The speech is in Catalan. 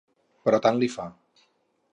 Però tant li fa.